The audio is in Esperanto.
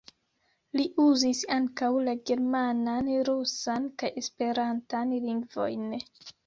Li uzis ankaŭ la germanan, rusan kaj esperantan lingvojn.